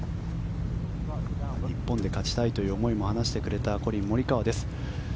日本で勝ちたいという思いも話してくれたコリン・モリカワです。